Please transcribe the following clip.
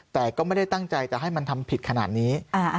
แต่ก็ไม่ได้ตั้งใจจะให้มันทำผิดขนาดนี้